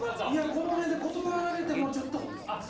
この辺で断られてもうちょっとあっ